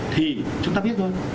thì chúng ta biết rồi